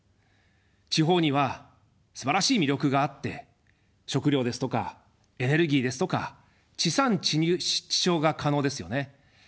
地方にはすばらしい魅力があって食料ですとかエネルギーですとか地産地消が可能ですよね。